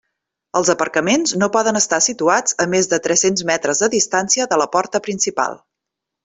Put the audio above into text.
Els aparcaments no poden estar situats a més de tres-cents metres de distància de la porta principal.